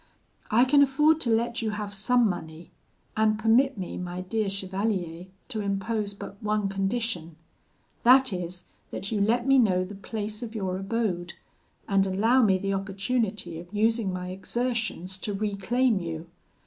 I can afford to let you have some money; and permit me, my dear chevalier, to impose but one condition; that is, that you let me know the place of your abode, and allow me the opportunity of using my exertions to reclaim you.